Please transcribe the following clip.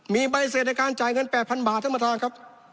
มีใบเสร็จที่จะจ่ายเงินแปดพันบาทธรรมดาครับ